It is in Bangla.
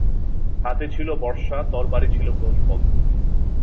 হাতে ছিল বর্শা, তরবারি ছিল কোষবদ্ধ।